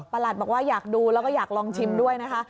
บอกว่าอยากดูแล้วก็อยากลองชิมด้วยนะคะ